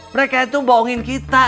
mereka itu bohongin kita